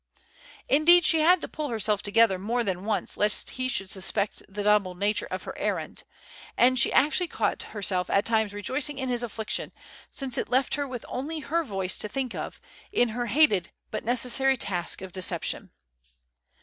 Indeed, she had to pull herself together more than once lest he should suspect the double nature of her errand, and she actually caught herself at times rejoicing in his affliction since it left her with only her voice to think of, in her hated but necessary task of deception.